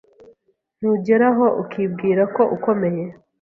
ntugeraho ukibwira ko ukomeye